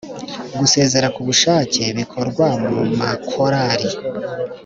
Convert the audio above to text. Gusezera ku bushake bikorwa mumakorali